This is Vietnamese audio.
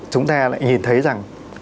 chúng ta lại nhìn thấy rằng